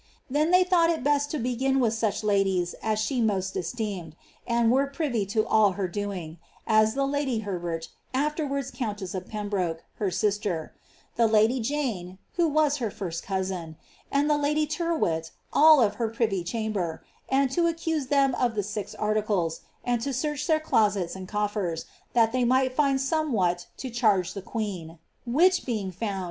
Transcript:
Then they thouglit it best to begin with such ladies as she most es teemed, and were privy to all her doing, — as the lady Herbert, afler wards countess of Pembroke, her sister ; the lady Jane, who was her first cousin; and the lady Tyrwhit, all of her privy chamber; and to accuse them of the six articles, and to search their closets and coflfers, that they might find somewhat to charge the queen ; which being found.